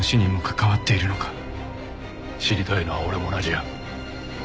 知りたいのは俺も同じや。